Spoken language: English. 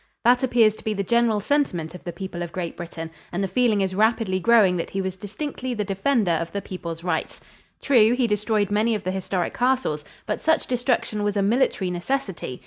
That appears to be the general sentiment of the people of Great Britain, and the feeling is rapidly growing that he was distinctly the defender of the people's rights. True, he destroyed many of the historic castles, but such destruction was a military necessity.